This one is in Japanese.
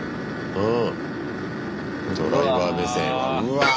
うん。